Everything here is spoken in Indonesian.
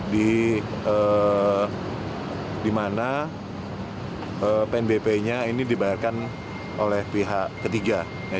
di mana pnbp nya ini dibayarkan oleh pihak ketiga